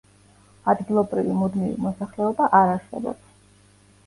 ადგილობრივი მუდმივი მოსახლეობა არ არსებობს.